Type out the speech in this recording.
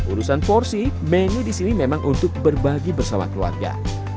urusan porsi menu di sini memang untuk berbagi bersama keluarga